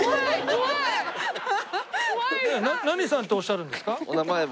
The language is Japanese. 何さんっておっしゃるんですか？